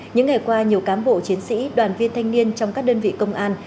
những ngày qua nhiều cán bộ chiến sĩ đoàn viên thanh niên trong các đơn vị công an